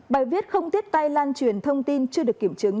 bài viết không tiếp tay lan truyền thông tin chưa được kiểm chứng